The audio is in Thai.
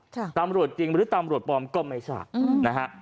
ใช่ตามรวจจริงหรือตามรวจปลอมก็ไม่ชัดอืมนะฮะ